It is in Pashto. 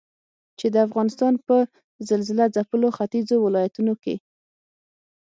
چې د افغانستان په زلزلهځپلو ختيځو ولايتونو کې